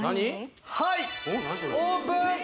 はいオープン！